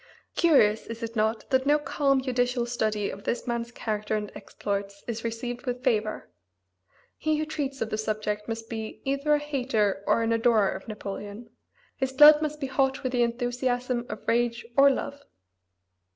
Curious, is it not, that no calm, judicial study of this man's character and exploits is received with favor? He who treats of the subject must be either a hater or an adorer of Napoleon; his blood must be hot with the enthusiasm of rage or of love.